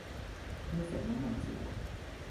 ไม่ใส่น้ำมันเจียว